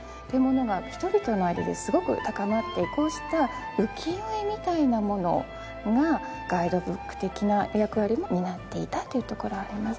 こうした浮世絵みたいなものがガイドブック的な役割も担っていたというところはあります。